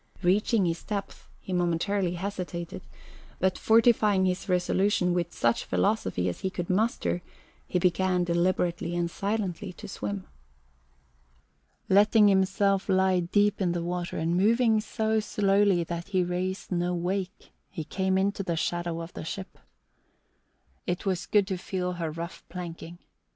Reaching his depth, he momentarily hesitated, but fortifying his resolution with such philosophy as he could muster, he began deliberately and silently to swim. Letting himself lie deep in the water and moving so slowly that he raised no wake, he came into the shadow of the ship. It was good to feel her rough planking.